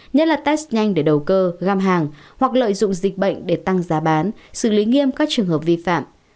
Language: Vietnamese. nhất là test nhanh để đầu cơ găm hàng hoặc lợi dụng dịch bệnh để tăng giá bán xử lý nghiêm các trường hợp vi phạm